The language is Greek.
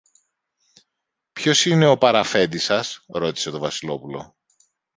Ποιος είναι ο παραφέντης σας; ρώτησε το Βασιλόπουλο.